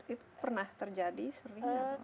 itu pernah terjadi sering